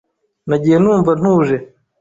Nagiye numva ntuje.